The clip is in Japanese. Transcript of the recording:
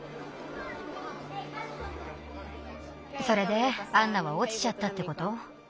それでアンナはおちちゃったってこと？